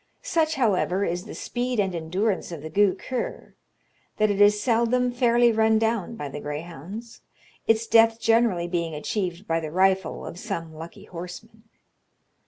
Such, however, is the speed and endurance of the ghoo khur, that it is seldom fairly run down by the greyhounds; its death generally being achieved by the rifle of some lucky horseman.